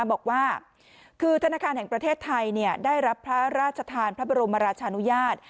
บอกว่าคือธนาคารแห่งประเทศไทยได้รับพระราชทานพระบรมราชานุญาต